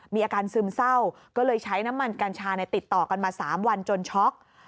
มีอาการซึมเศร้าก็เลยใช้น้ำมันกัญชาติดต่อกันมา๓วันจนช็อก